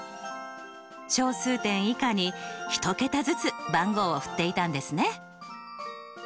小数点以下に１桁ずつ番号を振っていたんですね。